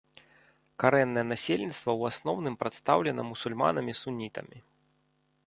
Карэннае насельніцтва ў асноўным прадстаўлена мусульманамі-сунітамі.